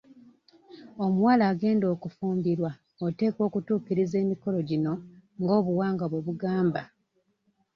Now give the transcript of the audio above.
Omuwala agenda okufumbirwa oteekwa okutuukiriza emikolo gino nga obuwangwa bwe bugamba.